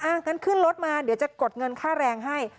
งั้นขึ้นรถมาเดี๋ยวจะกดเงินค่าแรงให้